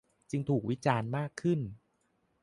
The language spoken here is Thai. จึงถูกวิจารณ์มากขึ้น